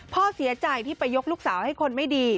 พ่อเสียใจที่ไปยกลูกสาวให้คนไม่ดี